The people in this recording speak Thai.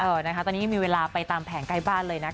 เออตอนนี้มีเวลาไปตามแผงไกลบ้านเลยนะคะ